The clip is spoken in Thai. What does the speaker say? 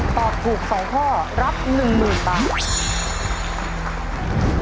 ตอบถูก๒ข้อรับ๑๐๐๐บาท